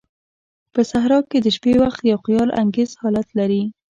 په صحراء کې د شپې وخت یو خیال انگیز حالت لري.